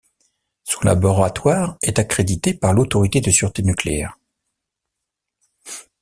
Son laboratoire est accrédité par l'Autorité de sûreté nucléaire.